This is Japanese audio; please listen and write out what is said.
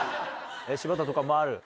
柴田とかもある？